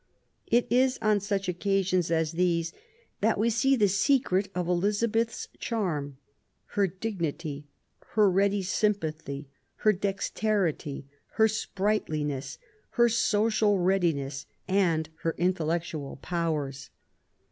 It is on such occasions as these that we see the secret of Elizabeth's charm — her dignity, her ready sympathy, her dexterity, her sprightliness, her social readiness, and her intellectual powers.